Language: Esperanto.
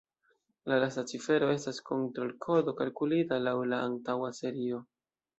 La lasta cifero estas kontrol-kodo kalkulita laŭ la antaŭa serio.